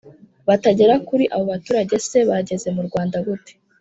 batagera kuri abo baturage se bageze mu rwanda gute?